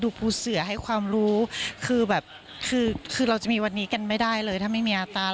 คือเราจะมีวันนี้กันไม่ได้เลยถ้าไม่มีอาตาน